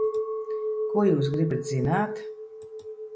Ko jūs gribat zināt?